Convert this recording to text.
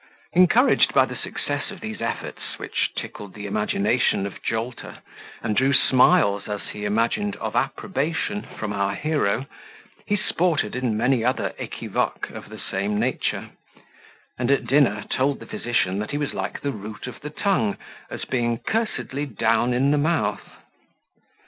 Encouraged by the success of these efforts, which tickled the imagination of Jolter, and drew smiles (as he imagined) of approbation from our hero, he sported in many other equivoques of the same nature; and at dinner, told the physician, that he was like the root of the tongue, as being cursedly down in the mouth.